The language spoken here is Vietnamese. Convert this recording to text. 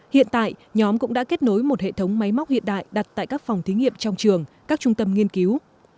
hiện tại nhóm cũng đã kết nối một hệ thống máy móc hiện đại đặt tại các phòng thí nghiệm trong trường các trung tâm nghiên cứu